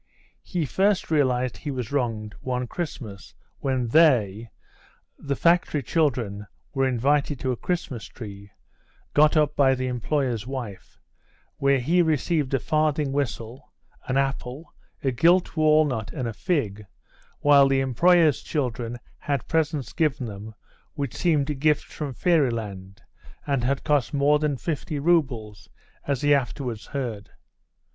He first realised he was wronged one Christmas when they, the factory children, were invited to a Christmas tree, got up by the employer's wife, where he received a farthing whistle, an apple, a gilt walnut and a fig, while the employer's children had presents given them which seemed gifts from fairyland, and had cost more than fifty roubles, as he afterwards heard.